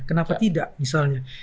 kenapa tidak misalnya